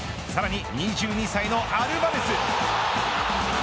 さらに２２歳のアルヴァレス。